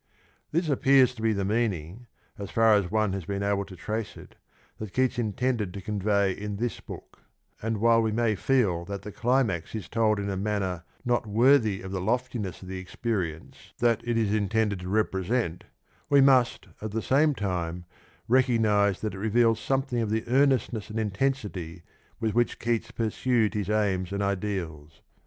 This appears to be the meaning, so fas as one has been able to trace it, that Keats intended to convey in this book, and, while we may feel that the climax is told in a manner not worthy of the loftiness of the experience that it is in tended to represent, we must at the same time recognise that it reveals something of the earnestness and intensity with which Keats pursued his aims and ideals.